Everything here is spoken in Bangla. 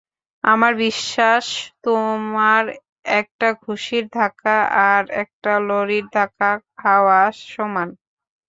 আমার বিশ্বাস, তোমার একটা ঘুষির ধাক্কা আর একটা লরির ধাক্কা খাওয়া সমান।